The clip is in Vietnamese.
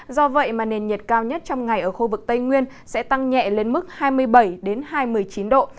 do vậy mà nền nhiệt cao nhất trong ngày ở khu vực tây nguyên sẽ tăng nhẹ lên mức hai mươi bảy hai mươi chín độ